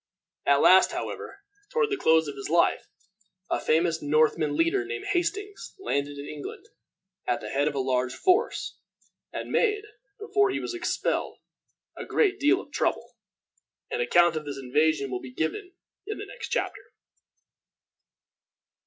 At last, however, toward the close of his life, a famous Northman leader, named Hastings, landed in England at the head of a large force, and made, before he was expelled, a great deal of trouble. An account of this invasion will be given in the next chapter.